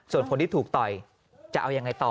ส่วนคนที่ถูกต่อยจะเอายังไงต่อ